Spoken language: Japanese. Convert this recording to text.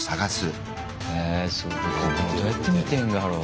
どうやって見てんだろう？